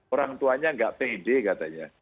orang tuanya nggak pede katanya